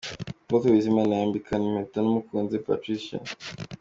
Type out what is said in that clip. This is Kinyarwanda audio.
Apotre Bizimana yambikana impeta n'umukunzi we Patricia.